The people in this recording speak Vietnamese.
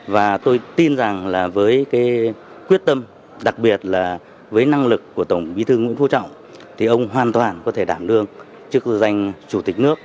và tôi tin rằng là với cái quyết tâm đặc biệt là với năng lực của tổng bí thư nguyễn phú trọng thì ông hoàn toàn có thể đảm đương chức danh chủ tịch nước